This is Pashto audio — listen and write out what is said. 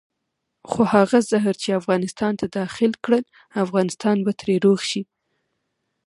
خو هغه زهر چې افغانستان ته داخل کړل افغانستان به ترې روغ شي.